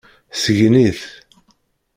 Sgen-it.